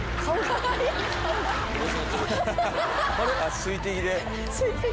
水滴で。